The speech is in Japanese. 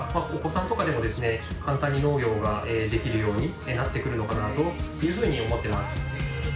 簡単に農業ができるようになってくるのかなというふうに思ってます。